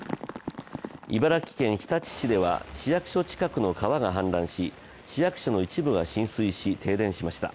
茨城県日立市では市役所近くの川が氾濫し市役所の一部が浸水し停電しました。